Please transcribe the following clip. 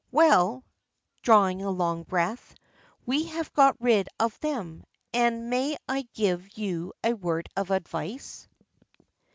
Well," drawing a long breath, "we have got rid of them, and may I give you a word of advice?